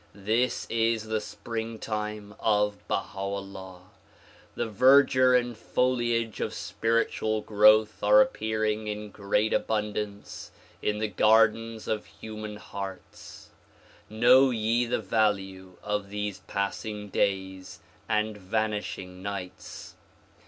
This is the springtime of Baha 'Ullaii. The verdure and foliage of spiritual growth are appearing in great abundance in the gardens of human hearts. Know ye the value of these passing days and vanishing nights.